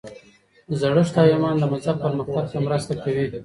زړښت او ایمان د مذهب پرمختګ ته مرسته کوي.